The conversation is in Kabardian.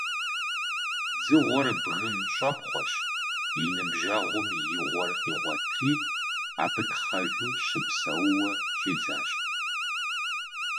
Дзыгъуэр бгым щӀэпхъуэщ, и ныбжьэгъум и гъуэр къигъуэтри, абы тхъэжу щыпсэууэ щӀидзащ.